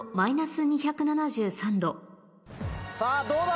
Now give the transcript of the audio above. さぁどうだ！